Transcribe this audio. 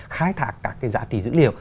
khai thác các giá trị dữ liệu